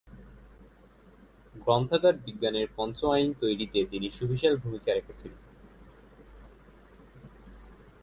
গ্রন্থাগার বিজ্ঞানের পঞ্চ আইন তৈরীতে তিনি সুবিশাল ভূমিকা রেখেছিলেন।